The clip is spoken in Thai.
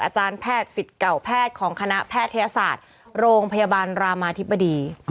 อาจารย์แพทย์สิทธิ์เก่าแพทย์ของคณะแพทยศาสตร์โรงพยาบาลรามาธิบดี